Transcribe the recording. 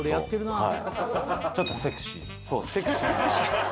はい？